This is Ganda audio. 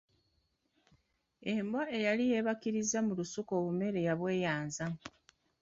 Embwa eyali yeebakirirzza mu lusuku obumere yabweyanza.